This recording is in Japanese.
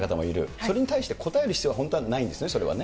それに対して答える必要は本当はないんですよね、それはね。